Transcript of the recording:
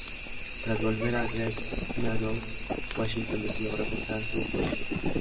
Tras volver a Great Meadows, Washington decidió reforzar su posición.